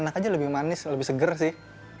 enak aja lebih manis lebih seger sih